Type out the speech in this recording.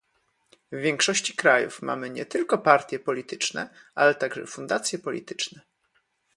W większości krajów mamy nie tylko partie polityczne, ale także fundacje polityczne